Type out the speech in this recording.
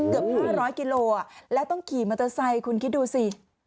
เกือบ๕๐๐กิโลแล้วต้องขี่มอเตอร์ไซค์คุณคิดดูสิ